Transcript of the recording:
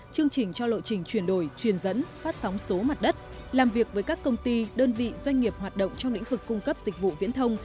chương trình cho lộ trình chuyển đổi truyền dẫn phát sóng số mặt đất làm việc với các công ty đơn vị doanh nghiệp hoạt động trong lĩnh vực cung cấp dịch vụ viễn thông